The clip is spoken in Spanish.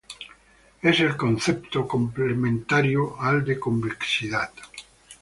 Es el concepto complementario al de convexidad.